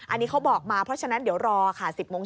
อันนี้เขาบอกมาเพราะฉะนั้นเดี๋ยวรอค่ะ